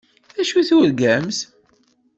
D acu i turgamt?